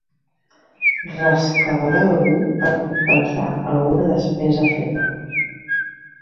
Rescabalar algú per compensar alguna despesa feta.